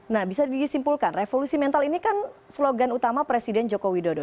nah bisa disimpulkan revolusi mental ini kan slogan utama presiden joko widodo